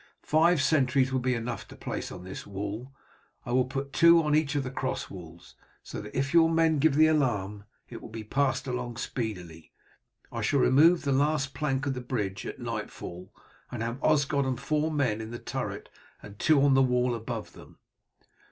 Five sentries will be enough to place on this wall. I will put two on each of the cross walls, so that if your men give the alarm it will be passed along speedily. I shall remove the last plank of the bridge at nightfall, and have Osgod and four men in the turret and two on the wall above them.